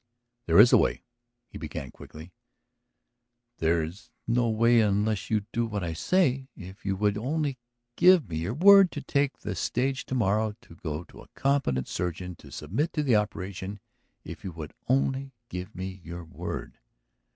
"There is a way!" he began quickly "There is no way unless you do what I say. If you would only give me your word to take the stage to morrow, to go to a competent surgeon, to submit to the operation. If you would only give me your word.